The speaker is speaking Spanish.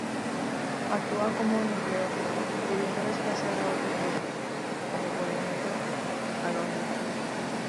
Actúa como nucleófilo pudiendo desplazar a otros grupos como, por ejemplo, halógenos.